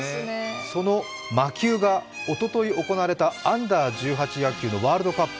その魔球がおととい行われたＵ−１８のワールドカップ